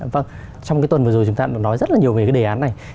vâng trong cái tuần vừa rồi chúng ta nói rất là nhiều về cái đề án này